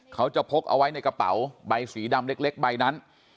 พกเอาไว้ในกระเป๋าใบสีดำเล็กใบนั้น